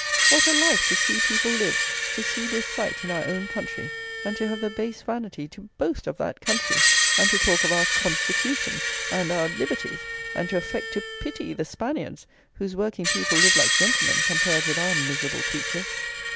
What a life to see people live; to see this sight in our own country, and to have the base vanity to boast of that country, and to talk of our "constitution" and our "liberties," and to affect to pity the Spaniards, whose working people live like gentlemen, compared with our miserable creatures.